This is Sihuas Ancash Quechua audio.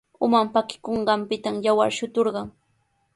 Uman pakikunqanpita yawar shuturqan.